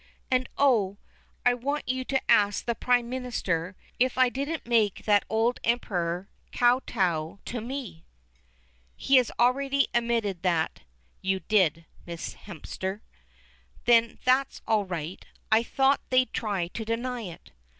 And oh! I want you to ask the Prime Minister if I didn't make that old Emperor kow tow to me." "He has already admitted that you did, Miss Hemster." "Then that's all right: I thought they'd try to deny it."